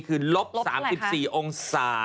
คือลบ๓๔องศา